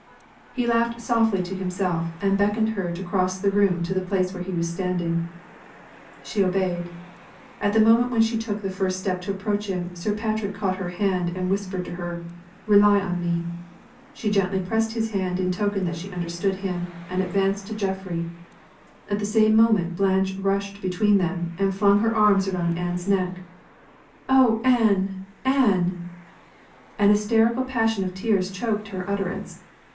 He laughed softly to himself, and beckoned to her to cross the room to the place at which he was standing. She obeyed. At the moment when she took the first step to approach him, Sir Patrick caught her hand, and whispered to her, "Rely on me!" She gently pressed his hand in token that she understood him, and advanced to Geoffrey. At the same moment, Blanche rushed between them, and flung her arms around Anne's neck. "Oh, Anne! Anne!" An hysterical passion of tears choked her utterance.